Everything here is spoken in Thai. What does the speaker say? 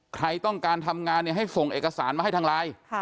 ใครต้องการทำงานให้ส่งเอกสารมาให้ทางไลน์